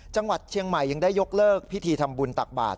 จังหวัดเชียงใหม่ยังได้ยกเลิกพิธีทำบุญตักบาท